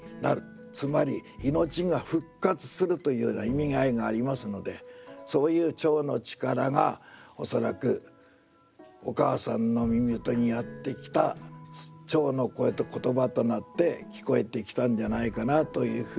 つまり命が復活するというような意味合いがありますのでそういう蝶の力が恐らくお母さんの耳元にやって来た蝶の声と言葉となって聞こえてきたんじゃないかなというふうに思います。